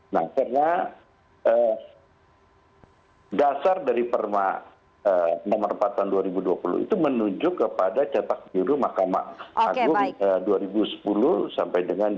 nah karena dasar dari perma nomor empat tahun dua ribu dua puluh itu menuju kepada cetak biru mahkamah agung dua ribu sepuluh sampai dengan dua ribu dua puluh